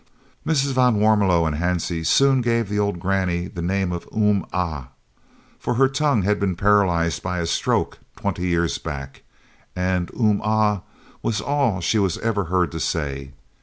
Mrs. van Warmelo and Hansie soon gave the old granny the name of "Um Ah," for her tongue had been paralysed by a "stroke" twenty years back, and "Um Ah," was all she was ever heard to say.